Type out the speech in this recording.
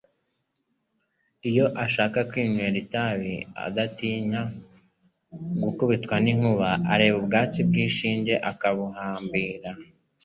Iyo ashatse kwinywera itabi adatinya gukubitwa n’inkuba, areba ubwatsi bw’ishinge akabuhambira